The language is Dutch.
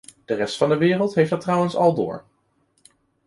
De rest van de wereld heeft dat trouwens al door.